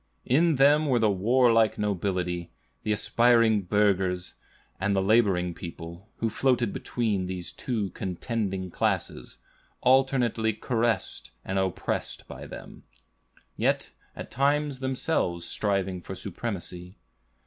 "In them were the warlike nobility, the aspiring burghers, and the laboring people, who floated between these two contending classes, alternately caressed and oppressed by them, yet at times themselves striving for the supremacy.